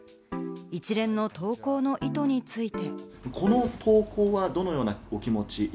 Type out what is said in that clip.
一連の投稿の意図について。